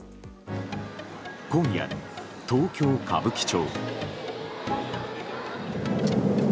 今夜、東京・歌舞伎町。